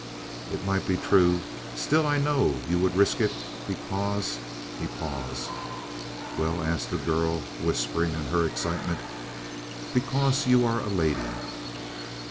"It might be true. Still I know you would risk it, because " he paused. "Well?" asked the girl, whispering in her excitement. "Because you are a lady."